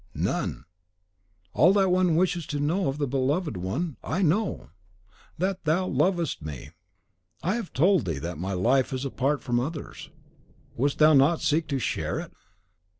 "None; all that one wishes to know of the beloved one, I know THAT THOU LOVEST ME!" "I have told thee that my life is apart from others. Wouldst thou not seek to share it?"